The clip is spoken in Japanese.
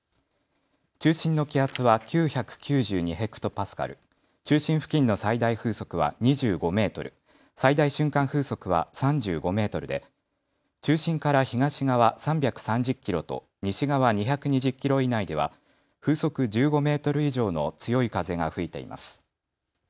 中心の気圧は９９２ヘクトパスカル、中心付近の最大風速は２５メートル、最大瞬間風速は３５メートルで、中心から東側３３０キロと西側２２０キロ以内では風速１５メートル以上の強い風が吹いています。